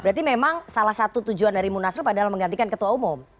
berarti memang salah satu tujuan dari munaslup adalah menggantikan ketua umum